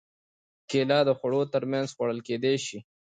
کېله د خوړو تر منځ خوړل کېدای شي.